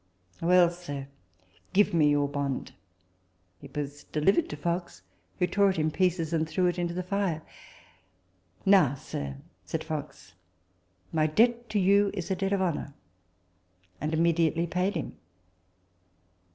" Well, sir, give me your bond." It was delivered to Fox, who tore it in pieces and threw them into the fire. " Now, sir," said Fox, "my debt to you is a debt of honour "; and immediately paid him.